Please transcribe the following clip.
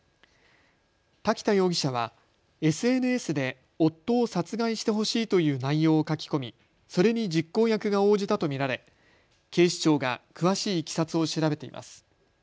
瀧田容疑者はＳＮＳで夫を殺害してほしいという内容を書き込みそれに実行役が応じたと見られ警視庁が詳しいいきさつを調べています。